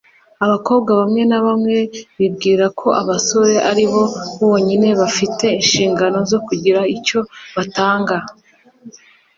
Abakobwa bamwe na bamwe bibwira ko abasore ari bo bonyine bafite inshingano zo kugira icyo batanga